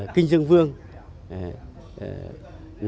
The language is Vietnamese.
kinh dương vương là nhân vật kinh dương vương